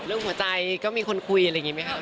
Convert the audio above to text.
เรื่องหัวใจก็มีคนคุยอะไรแบบนี้ไหมครับ